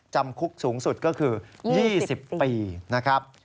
จำคุกสูงสุดก็คือ๒๐ปีนะครับ